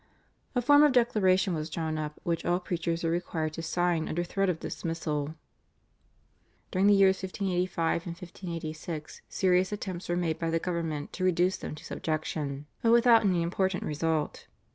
A form of declaration was drawn up which all preachers were required to sign under threat of dismissal. During the years 1585 and 1586 serious attempts were made by the government to reduce them to subjection, but without any important result.